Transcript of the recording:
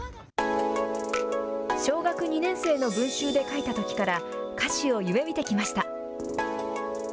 小学２年生の文集で書いたときから、歌手を夢みてきました。